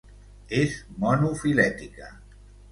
És monofilètica.